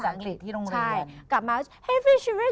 หนูต้องไปเรียนภาษาอังกฤษที่โรงเรียน